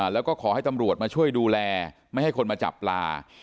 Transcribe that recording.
แล้วก็ขอให้ตำรวจมาช่วยดูแลไม่ให้คนมาจับปลา